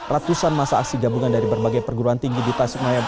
ratusan masa aksi gabungan dari berbagai perguruan tinggi di tasik maya